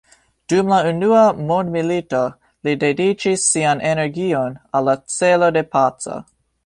Dum la Unua mondmilito li dediĉis sian energion al la celo de paco.